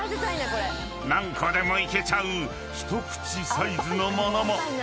［何個でもいけちゃう一口サイズの物も］